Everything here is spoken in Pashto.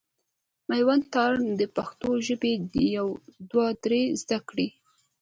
مېوند تارڼ د پښتو ژبي يو دوه درې زده کړي.